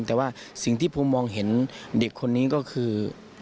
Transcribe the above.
แต่ว่าสิ่งที่ผมมองเห็นเด็กคนนี้ก็คือ